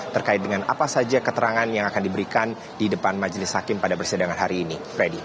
terkait dengan apa saja keterangan yang akan diberikan di depan majelis hakim pada persidangan hari ini freddy